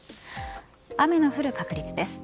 雨の降る確率です。